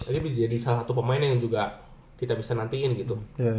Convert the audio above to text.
ini bisa jadi salah satu pemain yang juga kita bisa nantiin gitu